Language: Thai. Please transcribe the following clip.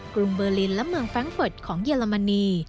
กรุงเบอร์ลินและเมืองแร้งเฟิร์ตของเยอรมนี